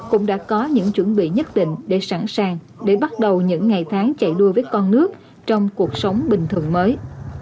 cũng đã có những chuẩn bị nhất định để sẵn sàng để bắt đầu những ngày tháng chạy đua với con nước trong cuộc sống bình thường mới